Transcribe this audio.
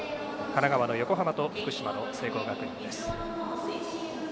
神奈川の横浜と福島の聖光学院です。